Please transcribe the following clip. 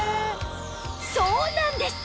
そうなんです